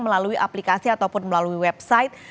melalui aplikasi ataupun melalui website